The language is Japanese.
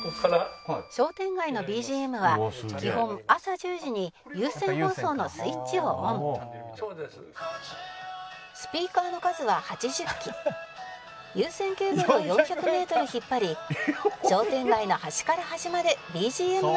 「商店街のＢＧＭは基本朝１０時に有線放送のスイッチをオン」「スピーカーの数は８０基」「有線ケーブルを４００メートル引っ張り商店街の端から端までＢＧＭが聞こえるとの事」